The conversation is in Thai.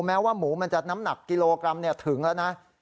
แม้ว่าหมูมันจะน้ำหนักกิโลกรัมถึงแล้วนะ